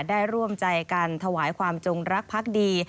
ได้ร่วมใจกันถวายความจงรักพักดี